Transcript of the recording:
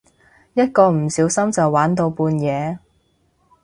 一個唔小心就玩到半夜